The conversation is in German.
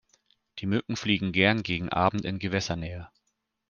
Die Mücken fliegen gern gegen Abend in Gewässernähe.